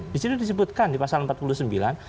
di situ disebutkan di pasal empat puluh sembilan